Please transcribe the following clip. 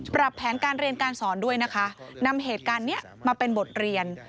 แผนการเรียนการสอนด้วยนะคะนำเหตุการณ์นี้มาเป็นบทเรียน